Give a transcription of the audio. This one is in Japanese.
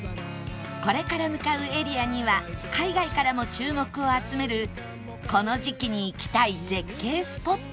これから向かうエリアには海外からも注目を集めるこの時期に行きたい絶景スポットが